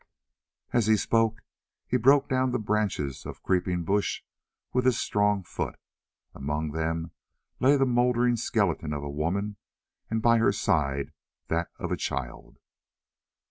As he spoke he broke down the branches of a creeping bush with his strong foot. Among them lay the mouldering skeleton of a woman, and by her side that of a child.